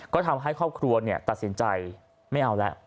ก็ทำให้ครอบครัวตัดสินใจไม่เอาแล้ว